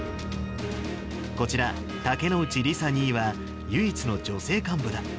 こちら、竹之内里咲２尉は、唯一の女性幹部だ。